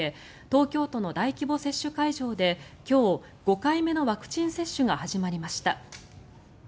東京都の大規模接種会場で今日、５回目のワクチン接種が始まりました。